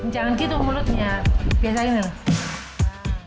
jangan gitu mulutnya biasa ini